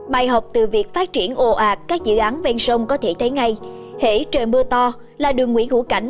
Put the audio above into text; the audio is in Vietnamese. bài học từ việc phát triển ồ ạt các dự án ven sông có thể thấy ngay hể trời mưa to là đường nguyễn hữu cảnh